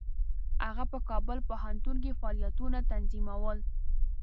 هغه په کابل پوهنتون کې فعالیتونه تنظیمول.